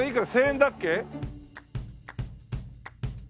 １０００円だっけ？